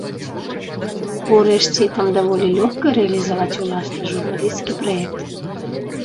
Урэшце, там даволі лёгка рэалізаваць уласны журналісцкі праект.